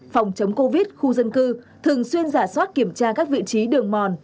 phòng chống covid khu dân cư thường xuyên giả soát kiểm tra các vị trí đường mòn